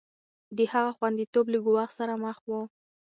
د هغه خونديتوب له ګواښ سره مخ و.